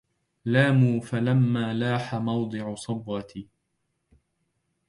لاموا فلما لاح موضع صبوتي